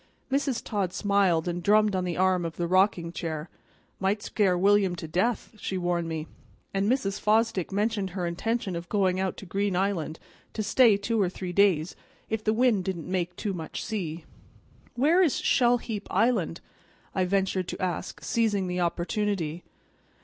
Mrs. Todd smiled, and drummed on the arm of the rocking chair. "Might scare William to death," she warned me; and Mrs. Fosdick mentioned her intention of going out to Green Island to stay two or three days, if the wind didn't make too much sea. "Where is Shell heap Island?" I ventured to ask, seizing the opportunity.